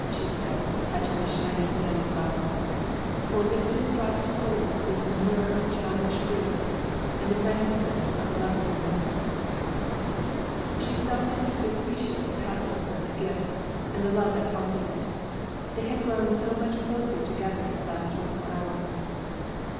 she said, touching the shining yellow flower; "for with this little drop of gold is the myrrh of a childish grief, and the frankincense of a loving remembrance." She felt that he could appreciate the pathos of the gift, and the love that prompted it. They had grown so much closer together in the last twenty four hours.